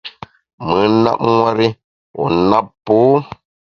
Mùn nap nwer i, wu nap pô.